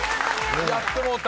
やってもうた。